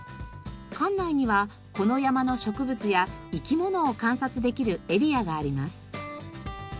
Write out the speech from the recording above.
館内にはこの山の植物や生き物を観察できるエリアがあります。